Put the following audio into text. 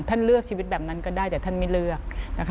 เลือกชีวิตแบบนั้นก็ได้แต่ท่านไม่เลือกนะคะ